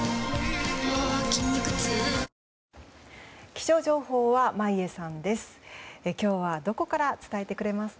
気象情報は眞家さんです。